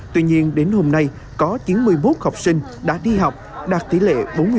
tuy nhiên đến hôm nay có chín mươi một học sinh đã đi học đạt tỷ lệ bốn mươi